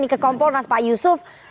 ke komponas pak yusuf